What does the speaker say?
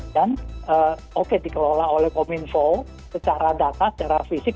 dan oke dikelola oleh kominfo secara data secara fisik